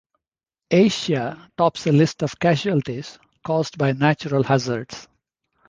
Asia tops the list of casualties caused by natural hazards.